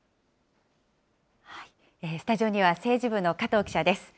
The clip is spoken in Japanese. スタジオには、政治部の加藤記者です。